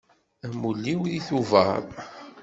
Amulli-iw deg Tuber.